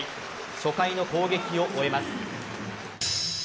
初回の攻撃を終えます。